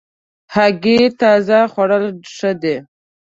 هګۍ تازه خوړل ښه دي.